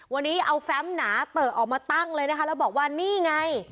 วันนี้เอาแฟมหนาเตอะออกมาตั้งเลยนะคะแล้วบอกว่านี่ไง